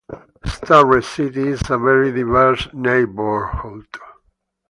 Starrett City is a very diverse neighborhood.